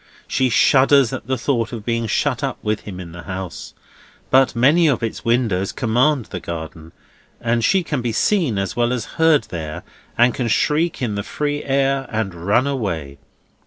She shudders at the thought of being shut up with him in the house; but many of its windows command the garden, and she can be seen as well as heard there, and can shriek in the free air and run away.